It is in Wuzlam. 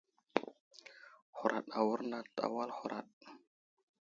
Huraɗ awurnat a wal huraɗ.